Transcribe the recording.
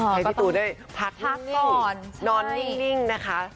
ให้พี่ตูนได้พักก่อนนอนนิ่งนะคะ